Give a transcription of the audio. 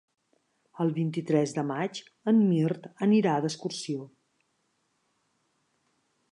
El vint-i-tres de maig en Mirt anirà d'excursió.